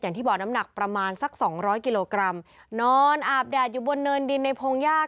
อย่างที่บอกน้ำหนักประมาณสักสองร้อยกิโลกรัมนอนอาบแดดอยู่บนเนินดินในพงยาก